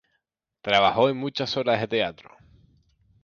Trabajó en muchas obras de teatro.